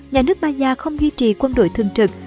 nhà nước maya không duy trì quân đội thường trực